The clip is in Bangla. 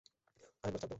আরেকবার চাপ দাও।